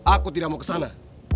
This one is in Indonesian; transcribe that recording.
aku tidak mau ke sana